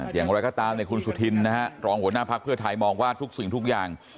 อย่างไรก็ตามคุณสุธินนะฮะรองหัวหน้าภักดิ์เพื่อไทยมองว่าทุกสิ่งทุกอย่าง